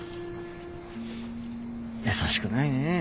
優しくないねえ。